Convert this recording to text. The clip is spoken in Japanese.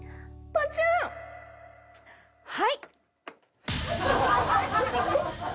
はい。